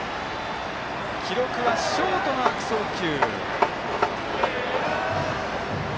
記録はショートの悪送球。